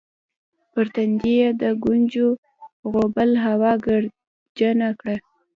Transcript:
پر تندي یې د ګونځو غوبل هوا ګردجنه کړه